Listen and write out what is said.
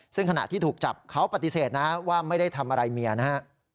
ซึ่งขณะที่ถูกจับเขาปฏิเสธนะว่าไม่ได้ทำอะไรเมียนะฮะ